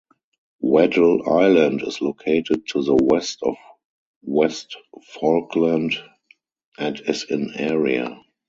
Weddell Island is located to the west of West Falkland and is in area.